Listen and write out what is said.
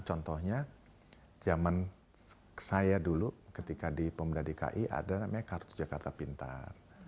contohnya zaman saya dulu ketika di pemda dki ada namanya kartu jakarta pintar